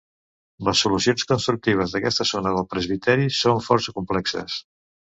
Les solucions constructives d'aquesta zona del presbiteri són força complexes.